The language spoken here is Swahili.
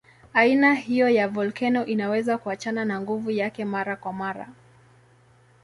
Aina hiyo ya volkeno inaweza kuachana na nguvu yake mara kwa mara.